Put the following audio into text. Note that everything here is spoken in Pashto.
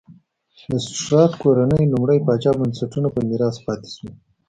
د سټورات کورنۍ لومړي پاچا بنسټونه په میراث پاتې شوې.